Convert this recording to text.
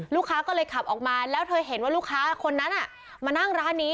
ลูกค้าก็เลยขับออกมาแล้วเธอเห็นว่าลูกค้าคนนั้นมานั่งร้านนี้